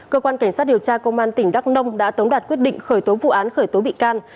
cơ quan cảnh sát điều tra công an tỉnh đắk nông đã tống đạt quyết định khởi tố vụ án khởi tố bị can